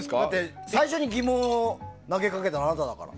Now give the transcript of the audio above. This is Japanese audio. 最初に疑問を投げかけたのはあなただから。